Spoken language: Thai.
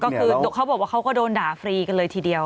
ก็คือเขาบอกว่าเขาก็โดนด่าฟรีกันเลยทีเดียว